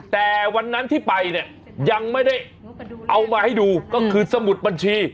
แต่วันนั้นที่ไปเนี่ยยังไม่ได้เอามาให้ดูก็คือสมุดบัญชี